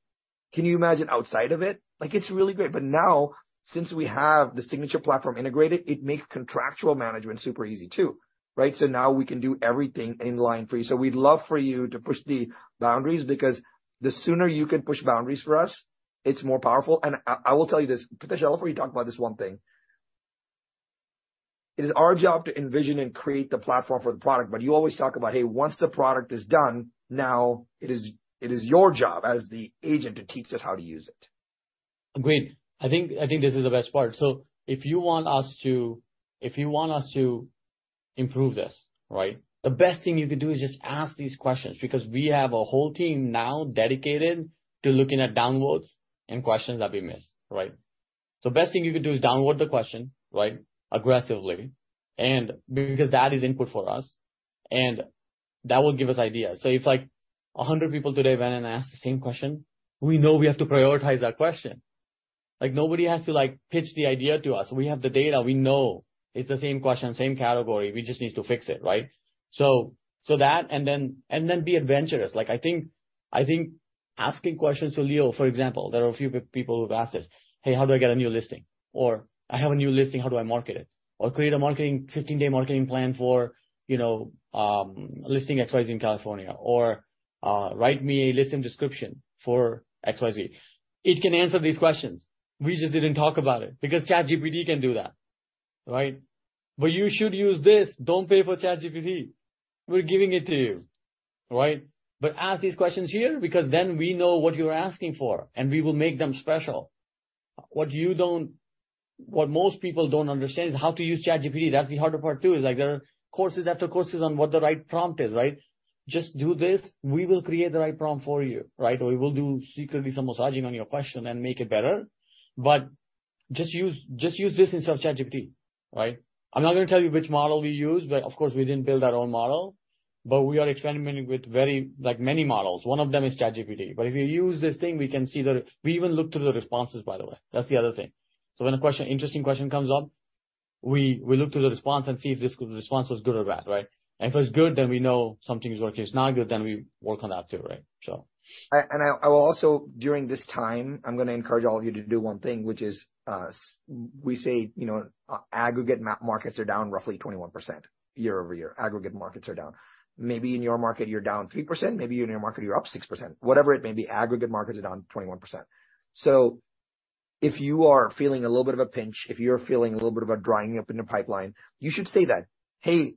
A: Can you imagine outside of it? Like, it's really great, but now, since we have the signature platform integrated, it makes contractual management super easy, too, right? Now we can do everything in line for you. We'd love for you to push the boundaries because the sooner you can push boundaries for us. It's more powerful. I, I will tell you this, Pritesh, I want you to talk about this one thing. It is our job to envision and create the platform for the product, but you always talk about, hey, once the product is done, now it is, it is your job as the agent to teach us how to use it.
B: Agreed. I think, I think this is the best part. If you want us to, if you want us to improve this, right? The best thing you could do is just ask these questions, because we have a whole team now dedicated to looking at downvotes and questions that we miss. Right? Best thing you could do is downvote the question, right, aggressively, and because that is input for us, and that will give us ideas. If, like, 100 people today went in and asked the same question, we know we have to prioritize that question. Nobody has to, like, pitch the idea to us. We have the data. We know it's the same question, same category. We just need to fix it, right? That, and then, and then be adventurous. Like, I think, I think asking questions to Leo, for example, there are a few people who've asked this: "Hey, how do I get a new listing?" "I have a new listing, how do I market it?" "Create a 15-day marketing plan for, you know, listing XYZ in California." "Write me a listing description for XYZ." It can answer these questions. We just didn't talk about it, because ChatGPT can do that, right? You should use this. Don't pay for ChatGPT. We're giving it to you, right? Ask these questions here because then we know what you're asking for, and we will make them special. What most people don't understand is how to use ChatGPT. That's the harder part, too, is, like, there are courses after courses on what the right prompt is, right? Just do this. We will create the right prompt for you, right? We will do secretly some massaging on your question and make it better. Just use, just use this instead of ChatGPT, right? I'm not gonna tell you which model we use, of course, we didn't build our own model. We are experimenting with very, like, many models. One of them is ChatGPT. If you use this thing, we can see the, we even look through the responses, by the way. That's the other thing. When a question, interesting question comes up, we look through the response and see if this response was good or bad, right? And if it's good, then we know something is working. It's not good, then we work on that, too, right?
A: I will also, during this time, I'm gonna encourage all of you to do one thing, which is, we say, you know, aggregate markets are down roughly 21% year over year. Aggregate markets are down. Maybe in your market, you're down 3%, maybe in your market, you're up 6%. Whatever it may be, aggregate markets are down 21%. If you are feeling a little bit of a pinch, if you're feeling a little bit of a drying up in the pipeline, you should say that, "Hey,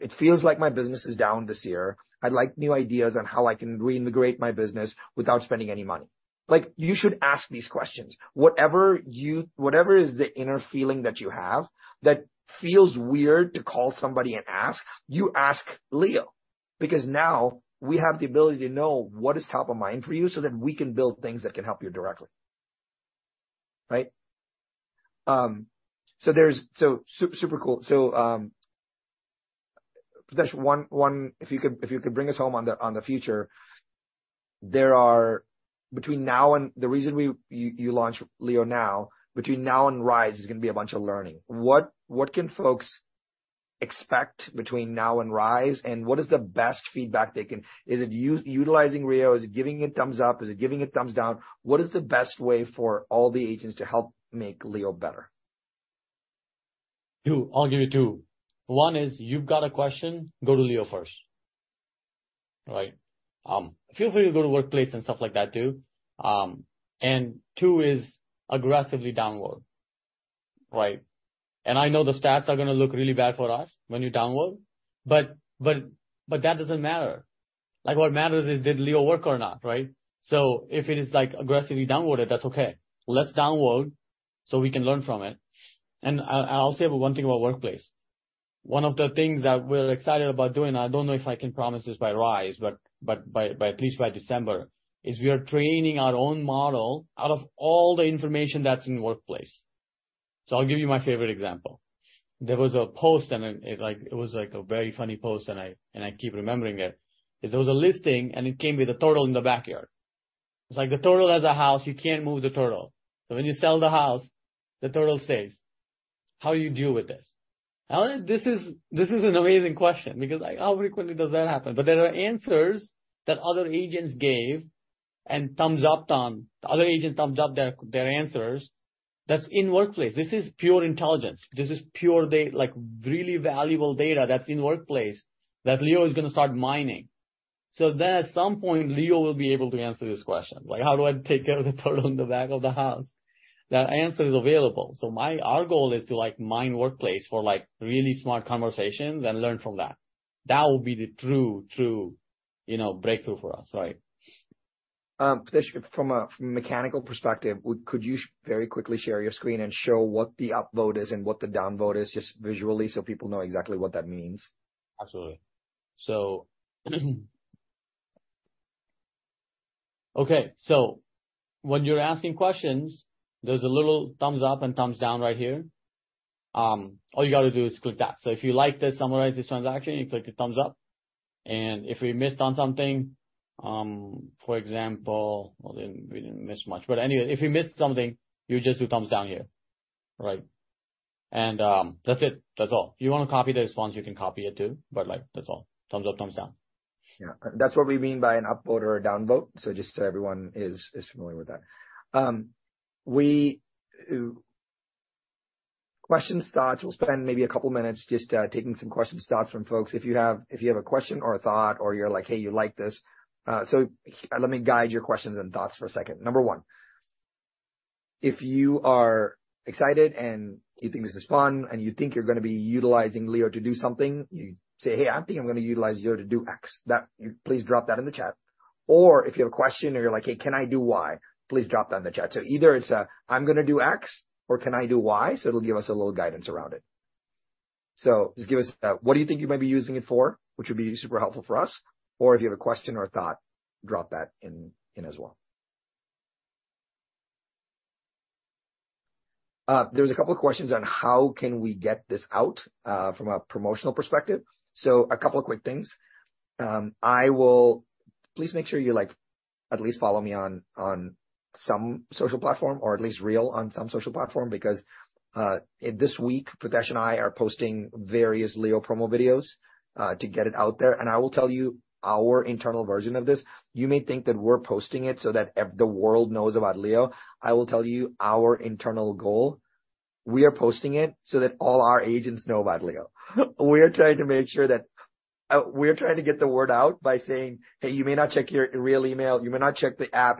A: it feels like my business is down this year. I'd like new ideas on how I can reintegrate my business without spending any money." Like, you should ask these questions. Whatever you-- whatever is the inner feeling that you have that feels weird to call somebody and ask, you ask Leo, because now we have the ability to know what is top of mind for you so that we can build things that can help you directly. Right? There's, so su-super cool. Pritesh, one, one, if you could, if you could bring us home on the, on the future, there are between now and the reason we, you, you launched Leo now, between now and Rise is gonna be a bunch of learning. What, what can folks expect between now and Rise, and what is the best feedback they can, is it us- utilizing Leo? Is it giving a thumbs up? Is it giving a thumbs down? What is the best way for all the agents to help make Leo better?
B: Two. I'll give you two. One is you've got a question, go to Leo first. Right? Feel free to go to Workplace and stuff like that, too. Two is aggressively downvote, right? I know the stats are gonna look really bad for us when you downvote, but, but, but that doesn't matter. Like, what matters is, did Leo work or not, right? If it is, like, aggressively downvoted, that's okay. Let's downvote so we can learn from it. I, I'll say one thing about Workplace. One of the things that we're excited about doing, I don't know if I can promise this by Rise, but, but by, at least by December, is we are training our own model out of all the information that's in the Workplace. I'll give you my favorite example. There was a post, it, like, it was, like, a very funny post, and I, and I keep remembering it. It was a listing, it came with a turtle in the backyard. It's like the turtle has a house, you can't move the turtle. When you sell the house, the turtle stays. How do you deal with this? This is, this is an amazing question because, like, how frequently does that happen? There are answers that other agents gave and thumbs up-ed on. Other agents thumbs up-ed their, their answers. That's in Workplace. This is pure intelligence. This is pure data, like, really valuable data that's in Workplace that Leo is gonna start mining. Then at some point, Leo will be able to answer this question. Like: How do I take care of the turtle in the back of the house? That answer is available. Our goal is to, like, mine Workplace for, like, really smart conversations and learn from that. That will be the true, true, you know, breakthrough for us, right?
A: Pritesh, from a mechanical perspective, could you very quickly share your screen and show what the upvote is and what the downvote is, just visually, so people know exactly what that means?
B: Absolutely. Okay, so when you're asking questions, there's a little thumbs up and thumbs down right here. All you got to do is click that. If you like to summarize this transaction, you click the thumbs up, and if we missed on something, for example, well, we didn't, we didn't miss much, but anyway, if we missed something, you just do thumbs down here, right? That's it. That's all. You wanna copy the response, you can copy it, too, but, like, that's all. Thumbs up, thumbs down.
A: Yeah. That's what we mean by an upvote or a downvote. Just so everyone is, is familiar with that. Questions, thoughts. We'll spend maybe a couple of minutes just taking some questions, thoughts from folks. If you have, if you have a question or a thought or you're like, "Hey, you like this?" Let me guide your questions and thoughts for a second. Number one, if you are excited and you think this is fun, and you think you're gonna be utilizing Leo to do something, you say, "Hey, I think I'm gonna utilize Leo to do X," that, please drop that in the chat. Or if you have a question, and you're like, "Hey, can I do Y?" Please drop that in the chat. Either it's a, "I'm gonna do X," or, "Can I do Y?" It'll give us a little guidance around it. Just give us, what do you think you might be using it for, which would be super helpful for us, or if you have a question or a thought, drop that in, in as well. There was a couple of questions on how can we get this out, from a promotional perspective. A couple of quick things. Please make sure you, like, at least follow me on, on some social platform or at least Real on some social platform, because, this week, Pritesh and I are posting various Leo promo videos, to get it out there. I will tell you our internal version of this. You may think that we're posting it so that the world knows about Leo. I will tell you our internal goal, we are posting it so that all our agents know about Leo. We are trying to make sure that. We are trying to get the word out by saying, "Hey, you may not check your Real email, you may not check the app."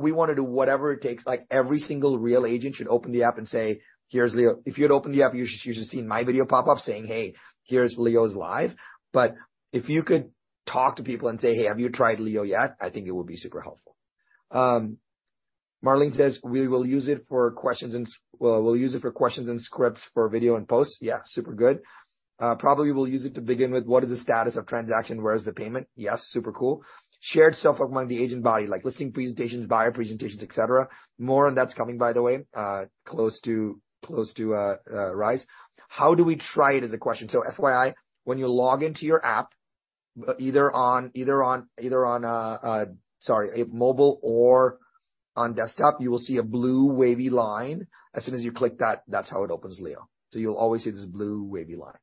A: We wanna do whatever it takes. Like, every single Real agent should open the app and say, "Here's Leo." If you had opened the app, you should, you should have seen my video pop up saying, "Hey, here's Leo's Live." If you could talk to people and say, "Hey, have you tried Leo yet?" I think it would be super helpful. Marlene says, "We will use it for questions, and we'll use it for questions and scripts for video and posts." Super good. Probably will use it to begin with. What is the status of transaction? Where is the payment? Super cool. Shared stuff among the agent body, like listing presentations, buyer presentations, et cetera. More on that's coming, by the way, close to Rise. How do we try it, is the question. FYI, when you log into your app, either on mobile or on desktop, you will see a blue wavy line. As soon as you click that, that's how it opens Leo. You'll always see this blue wavy line.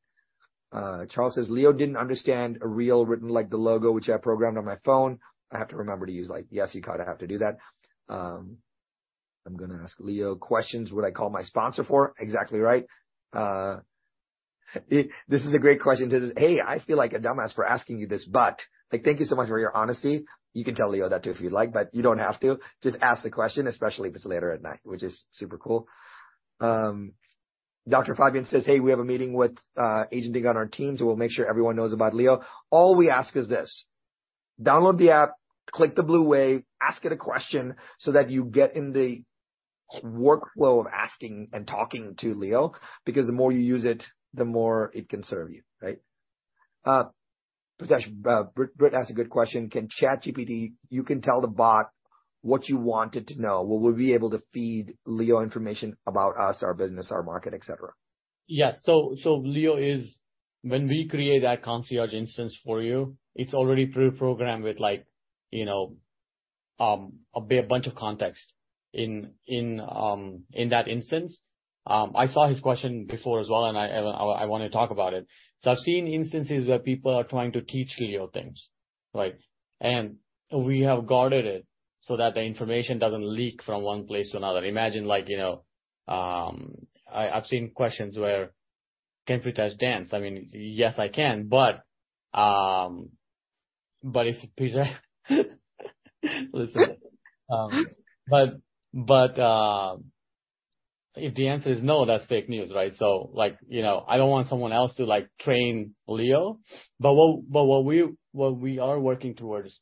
A: Charles says, "Leo didn't understand a Real written like the logo, which I programmed on my phone. I have to remember to use, like, " Yes, you kinda have to do that. I'm gonna ask Leo questions, what I call my sponsor for. Exactly right. This is a great question. He says, "Hey, I feel like a dumbass for asking you this, but, " Like, thank you so much for your honesty. You can tell Leo that, too, if you'd like, but you don't have to. Just ask the question, especially if it's later at night, which is super cool. Dr. Fabian says, "Hey, we have a meeting with agenting on our team, we'll make sure everyone knows about Leo." All we ask is this: download the app, click the blue wave, ask it a question so that you get in the workflow of asking and talking to Leo, because the more you use it, the more it can serve you, right? Pritesh, Brit asked a good question: Can ChatGPT? You can tell the bot what you want it to know. Will we be able to feed Leo information about us, our business, our market, et cetera?
B: Yes. Leo is when we create that concierge instance for you, it's already pre-programmed with like, you know, a bunch of context in that instance. I saw his question before as well, I want to talk about it. I've seen instances where people are trying to teach Leo things, right? We have guarded it so that the information doesn't leak from one place to another. Imagine, like, you know, I've seen questions where, "Can Pritesh dance?" I mean, yes, I can, but if Pritesh, listen, if the answer is no, that's fake news, right? Like, you know, I don't want someone else to, like, train Leo. What we are working towards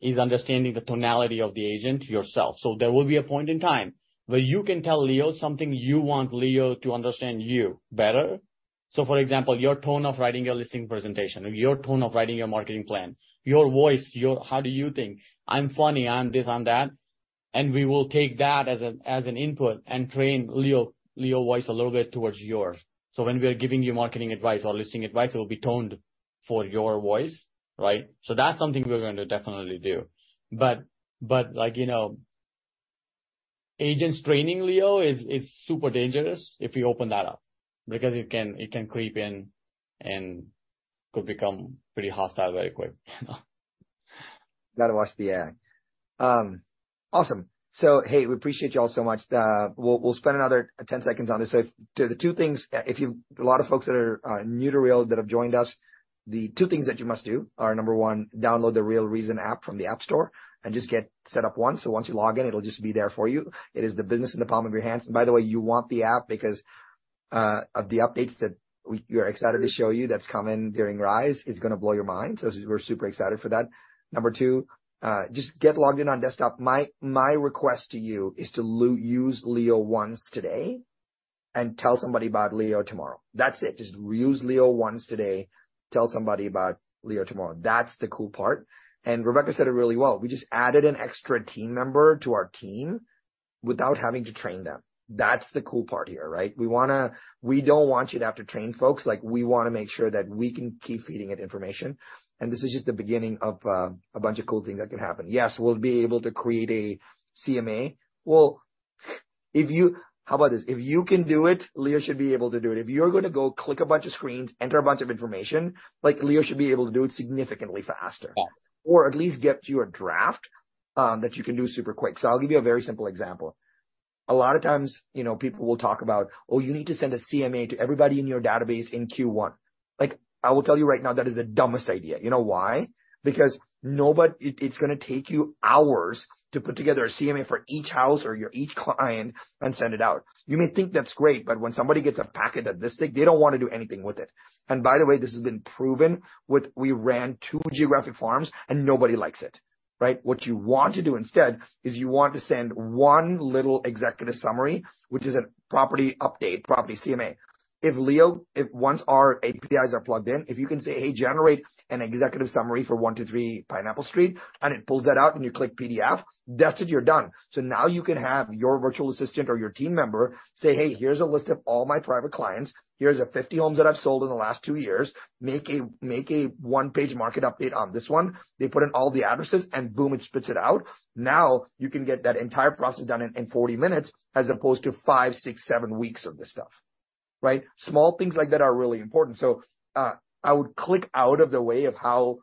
B: is understanding the tonality of the agent yourself. There will be a point in time where you can tell Leo something you want Leo to understand you better. For example, your tone of writing your listing presentation, your tone of writing your marketing plan, your voice, your. How do you think? I'm funny, I'm this, I'm that. We will take that as an input and train Leo voice a little bit towards yours. When we are giving you marketing advice or listing advice, it will be toned for your voice, right? That's something we're going to definitely do. Like, you know, agents training Leo is super dangerous if you open that up, because it can creep in and could become pretty hostile very quick, you know?
A: Gotta watch the AI. Awesome. Hey, we appreciate you all so much. We'll, we'll spend another 10 seconds on this. The two things, if you, a lot of folks that are new to Real that have joined us, the two things that you must do are, Number one, download the Real reZEN app from the App Store and just get set up once. Once you log in, it'll just be there for you. It is the business in the palm of your hands. You want the app because of the updates that we are excited to show you, that's coming during Rise, it's gonna blow your mind. We're super excited for that. Number two, just get logged in on desktop. My, my request to you is to use Leo once today and tell somebody about Leo tomorrow. That's it. Just use Leo once today. Tell somebody about Leo tomorrow. That's the cool part. Rebecca said it really well. We just added an extra team member to our team without having to train them. That's the cool part here, right? We don't want you to have to train folks. Like, we wanna make sure that we can keep feeding it information, and this is just the beginning of a bunch of cool things that can happen. Yes, we'll be able to create a CMA. Well, how about this? If you can do it, Leo should be able to do it. If you're gonna go click a bunch of screens, enter a bunch of information, like, Leo should be able to do it significantly faster, or at least get you a draft. I'll give you a very simple example. A lot of times, you know, people will talk about, "Oh, you need to send a CMA to everybody in your database in Q1." Like, I will tell you right now, that is the dumbest idea. You know why? Because nobody, it's gonna take you hours to put together a CMA for each house or your each client and send it out. You may think that's great, but when somebody gets a packet of this thick, they don't wanna do anything with it. By the way, this has been proven with. We ran two geographic farms, and nobody likes it, right? What you want to do instead is you want to send one little executive summary, which is a property update, property CMA. If Leo, if once our APIs are plugged in, if you can say, "Hey, generate an executive summary for 123 Pineapple Street," and it pulls that out, and you click PDF, that's it, you're done. Now you can have your virtual assistant or your team member say, "Hey, here's a list of all my private clients. Here's the 50 homes that I've sold in the last two years. Make a one-page market update on this one." They put in all the addresses, and boom, it spits it out. You can get that entire process done in, in 40 minutes, as opposed to five, six, seven weeks of this stuff, right? Small things like that are really important. I would click out of the way of how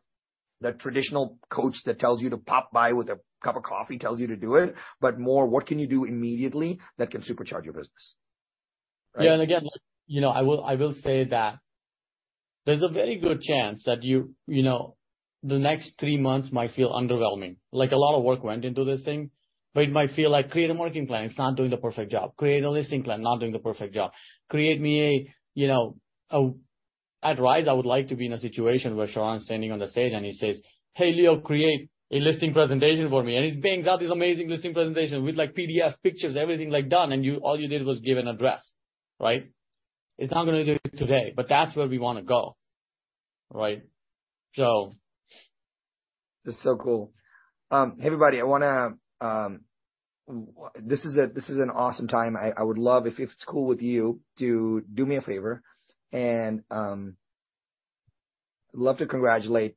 A: the traditional coach that tells you to pop by with a cup of coffee tells you to do it, but more, what can you do immediately that can supercharge your business, right?
B: Again, you know, I will, I will say that there's a very good chance that you, you know, the next three months might feel underwhelming. Like, a lot of work went into this thing, but it might feel like, create a marketing plan. It's not doing the perfect job. Create a listing plan, not doing the perfect job. Create me a, you know, at Rise, I would like to be in a situation where Sharran's standing on the stage, and he says, "Hey, Leo, create a listing presentation for me." He bangs out this amazing listing presentation with, like, PDFs, pictures, everything, like, done, and you - all you did was give an address, right? It's not gonna do it today, but that's where we wanna go, right?
A: This is so cool. Hey, everybody, I wanna this is a, this is an awesome time. I, I would love, if, if it's cool with you, to do me a favor and love to congratulate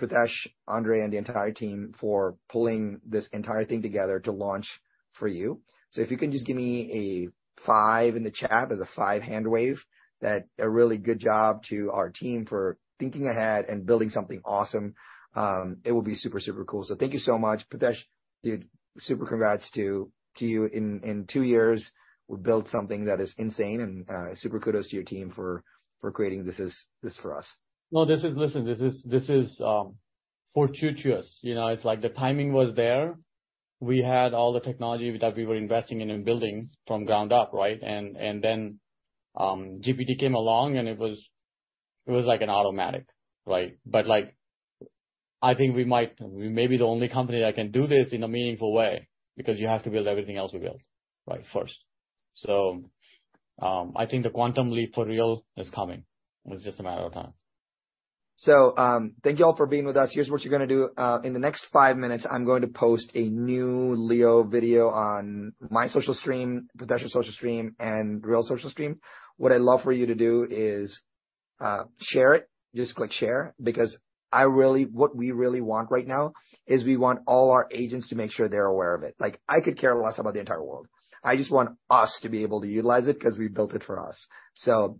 A: Pritesh, Andre, and the entire team for pulling this entire thing together to launch for you. If you can just give me a five in the chat as a five hand wave, that a really good job to our team for thinking ahead and building something awesome, it will be super, super cool. Thank you so much. Pritesh, dude, super congrats to, to you. In two years, we've built something that is insane, and super kudos to your team for creating this is, this for us.
B: No, this is, Listen, this is, this is fortuitous. You know, it's like the timing was there. We had all the technology that we were investing in and building from ground up, right? Then, GPT came along, and it was, it was like an automatic, right? Like, I think we might, we may be the only company that can do this in a meaningful way because you have to build everything else we built, right, first. I think the quantum leap for Real is coming. It's just a matter of time.
A: Thank you all for being with us. Here's what you're gonna do. In the next five minutes, I'm going to post a new Leo video on my social stream, Pritesh's social stream, and Real's social stream. What I'd love for you to do is, share it. Just click share, because I really, what we really want right now is we want all our agents to make sure they're aware of it. Like, I could care less about the entire world. I just want us to be able to utilize it 'cause we built it for us.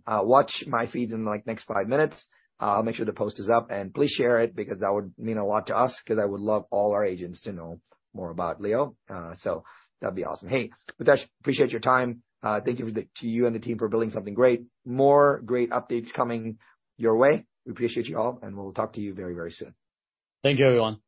A: Watch my feed in, like, next five minutes. I'll make sure the post is up, and please share it because that would mean a lot to us, 'cause I would love all our agents to know more about Leo. That'd be awesome. Hey, Pritesh, appreciate your time. Thank you to the, to you and the team for building something great. More great updates coming your way. We appreciate you all, and we'll talk to you very, very soon.
B: Thank you, everyone.